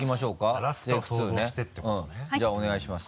じゃあお願いします。